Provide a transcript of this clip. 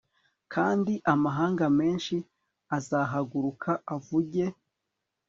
kandi amahanga menshi azahaguruka avuge